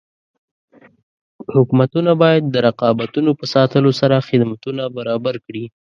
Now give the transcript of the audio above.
حکومتونه باید د رقابتونو په ساتلو سره خدمتونه برابر کړي.